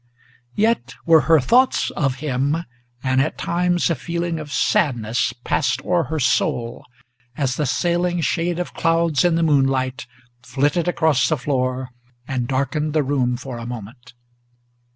Yet were her thoughts of him, and at times a feeling of sadness Passed o'er her soul, as the sailing shade of clouds in the moonlight Flitted across the floor and darkened the room for a moment.